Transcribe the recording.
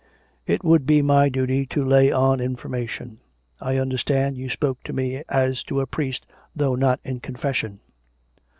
" It would be my duty to lay an information ! I under stood you spoke to me as to a priest, though not in con fession."